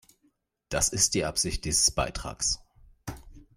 Das ist die Absicht dieses Beitrags.